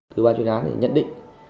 thứ ba chuyên án nhận định